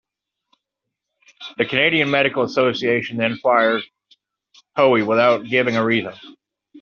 The Canadian Medical Association then fired Hoey, without giving a reason.